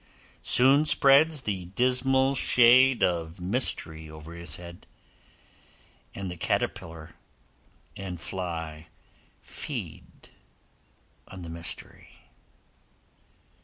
Soon spreads the dismal shade Of Mystery over his head, And the caterpillar and fly Feed on the Mystery.